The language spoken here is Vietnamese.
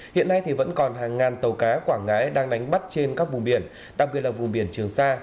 hiện nay thì vẫn còn hàng ngàn tàu cá quảng ngãi đang đánh bắt trên các vùng biển đặc biệt là vùng biển trường sa